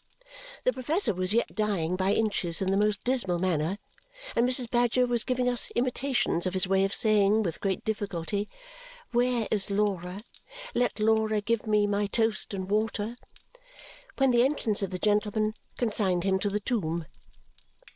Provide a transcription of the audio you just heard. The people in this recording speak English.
The professor was yet dying by inches in the most dismal manner, and Mrs. Badger was giving us imitations of his way of saying, with great difficulty, "Where is Laura? Let Laura give me my toast and water!" when the entrance of the gentlemen consigned him to the tomb.